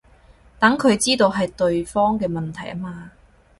等佢知道係對方嘅問題吖嘛